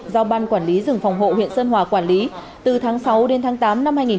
do ban quản lý rừng phòng hộ huyện sơn hòa quản lý từ tháng sáu đến tháng tám năm hai nghìn một mươi ba